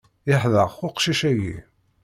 Yeḥdeq uqcic agi.